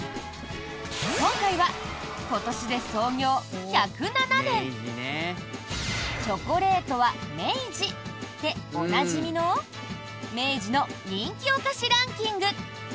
今回は今年で創業１０７年「チョコレートは明治」でおなじみの明治の人気お菓子ランキング。